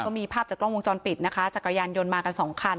มีภาพจากกล้องวงจรปิดนะคะจักรยานยนต์มากันสองคัน